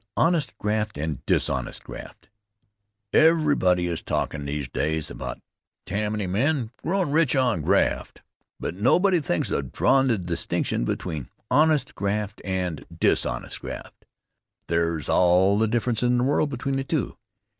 Honest Graft and Dishonest Graft EVERYBODY is talkin' these days about Tammany men growin' rich on graft, but nobody thinks of drawin' the distinction between honest graft and dishonest graft. There's all the difference in the world between the two.